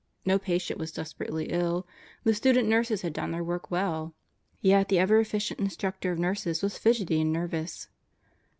No patient was desperately ill, the student nurses had done their work well; yet, the ever efficient Instructor of Nurses was fidgety and nervous.